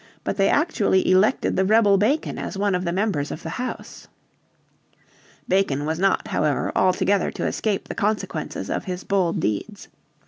But they actually elected the rebel Bacon as one of the members of the House. Bacon was not, however, altogether to escape the consequences of his bold deeds.